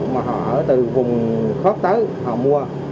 mà họ ở từ vùng khớp tới họ mua